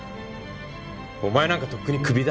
お前なんかとっくにクビだ。